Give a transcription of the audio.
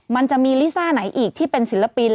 มันจะมีลิซ่าไหนอีกที่เป็นศิลปิน